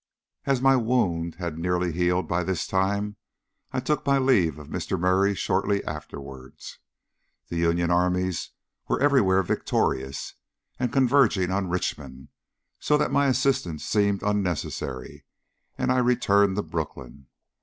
As my wound had nearly healed by this time, I took my leave of Mr. Murray shortly afterwards. The Union armies were everywhere victorious and converging on Richmond, so that my assistance seemed unnecessary, and I returned to Brooklyn.